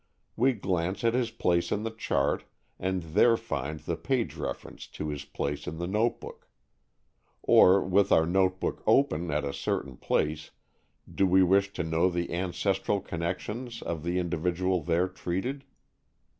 We glance at his place in the chart and there find the page reference to his place in the notebook. Or, with our notebook open at a certain place, do we wish to know the ancestral connections of the individual there treated?